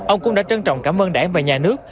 ông cũng đã trân trọng cảm ơn đảng và nhà nước